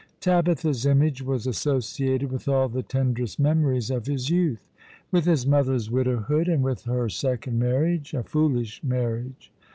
Tabitha's image was associated with all the tenderest memories of his youth ; with his mother's widowhood, and with her second marriage — a foolish marriage.